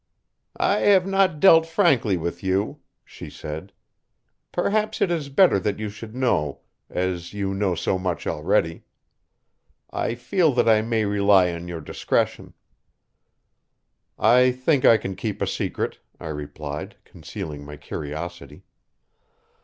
"I have not dealt frankly with you," she said. "Perhaps it is better that you should know, as you know so much already. I feel that I may rely on your discretion." "I think I can keep a secret," I replied, concealing my curiosity.